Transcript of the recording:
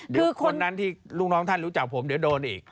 เดี๋ยวคนนั้นที่ลูกน้องท่านรู้จักผมเดี๋ยวโดนอีก